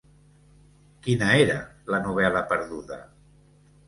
Quina era la novel·la perduda?